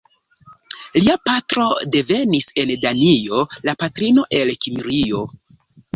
Lia patro devenis en Danio, la patrino el Kimrio.